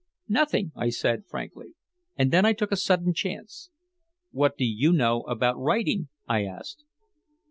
"Nothing," I said frankly. And then I took a sudden chance. "What do you know about writing?" I asked.